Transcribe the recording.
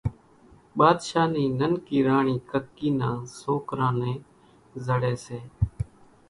ٻاۮشاھ نِي ننڪي راڻِي ڪڪِي نان سوڪران نين زڙي سي